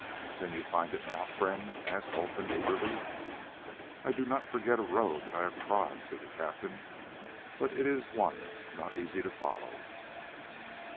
"Can you find it now, friend?" asked Olfan eagerly. "I do not forget a road that I have trod," said the captain, "but it is one not easy to follow."